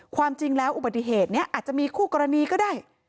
ความจริงแล้วอุบัติเหตุนี้อาจจะมีคู่กรณีก็ได้